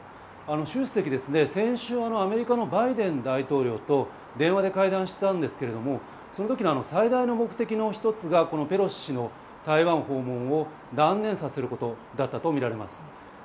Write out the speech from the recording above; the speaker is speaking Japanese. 習主席は先週アメリカのバイデン大統領と電話で会談したんですけれどもその時の最大の目的の１つがペロシ氏の台湾訪問を断念させることだったとみられます。